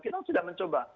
kita sudah mencoba